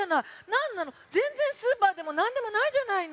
なんなのぜんぜんスーパーでもなんでもないじゃないの！